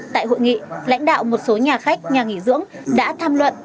tại hội nghị lãnh đạo một số nhà khách nhà nghỉ dưỡng đã tham luận